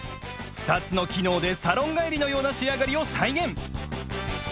２つの機能でサロン帰りのような仕上がりを再現